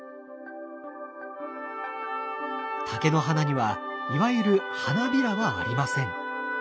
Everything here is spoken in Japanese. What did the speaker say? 竹の花にはいわゆる花びらはありません。